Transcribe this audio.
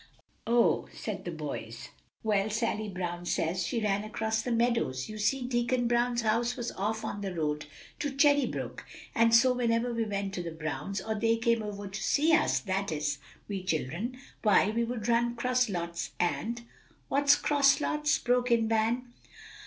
"Oh!" said the boys. "Well, Sally Brown says she ran across the meadows you see, Deacon Brown's house was off on the road to Cherry Brook, and so whenever we went to the Brown's, or they came over to see us, that is, we children, why, we would run 'cross lots, and" "What's 'cross lots?" broke in Van.